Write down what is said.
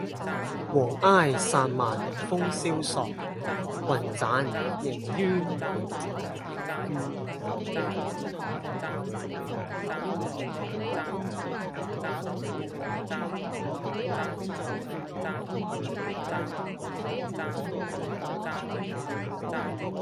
黃埃散漫風蕭索，云棧縈紆登劍閣。